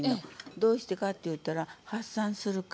どうしてかっていったら発散するから。